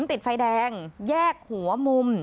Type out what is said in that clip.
ติดไฟแดงแยกหัวมุม